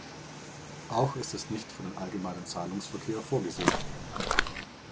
Auch ist es nicht für den allgemeinen Zahlungsverkehr vorgesehen.